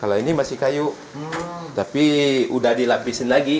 kalau ini masih kayu tapi udah dilapisin lagi